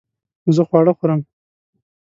زه خواړه خورم